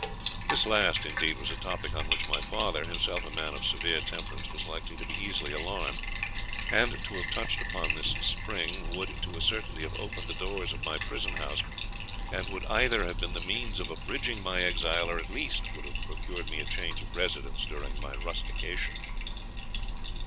This last, indeed, was a topic on which my father, himself a man of severe temperance, was likely to be easily alarmed, and to have touched upon this spring would to a certainty have opened the doors of my prison house, and would either have been the means of abridging my exile, or at least would have procured me a change of residence during my rustication.